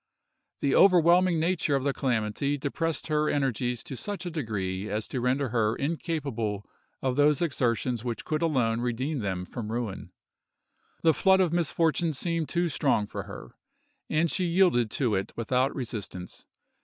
The overwhelming nature of the calamity depressed her energies to such a degree as to render her incapable of those exertions which could alone redeem them from ruin. The flood of misfortune seemed too strong for her, and she yielded to it without resistance.